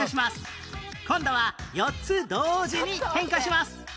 今度は４つ同時に変化します